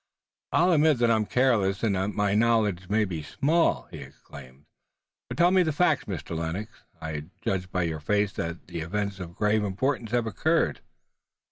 "I'll admit that I'm careless and that my knowledge may be small!" he exclaimed. "But tell me the facts, Mr. Lennox. I judge by your face that events of grave importance have occurred."